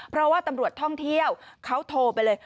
เพราะว่าตำรวจท่องเที่ยวเขาโทรไปเลย